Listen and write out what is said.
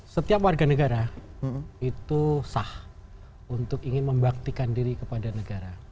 setiap warga negara itu sah untuk ingin membaktikan diri kepada negara